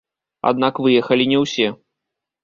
Аднак выехалі не ўсё.